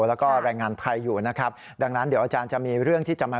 แล้วก็แรงงานไทยอยู่นะครับดังนั้นเดี๋ยวอาจารย์จะมีเรื่องที่จะมา